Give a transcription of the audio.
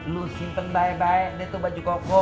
lu simpen baik baik dia tuh baju koko